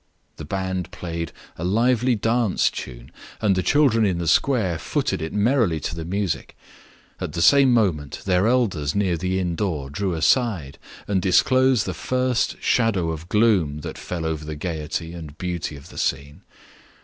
The band played a lively dance tune, and the children in the square footed it merrily to the music. At the same moment, their elders near the inn door drew aside, and disclosed the first shadow of gloom that fell over the gayety and beauty of the scene.